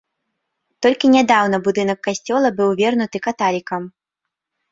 Толькі нядаўна будынак касцёла быў вернуты каталікам.